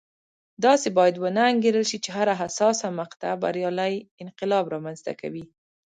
داسې باید ونه انګېرل شي چې هره حساسه مقطعه بریالی انقلاب رامنځته کوي.